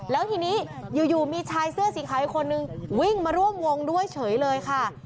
แล้วทีนี้อยู่มีชายเสื้อสีขาวอีกคนนึงวิ่งมาร่วมวงด้วยเฉยเลยค่ะ